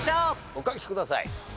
お書きください。